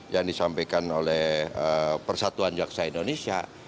yang disampaikan oleh persatuan jaksa indonesia